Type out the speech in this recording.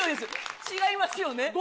違いますよね？